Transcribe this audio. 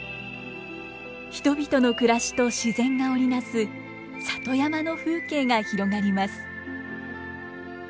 人々の暮らしと自然が織り成す里山の風景が広がります。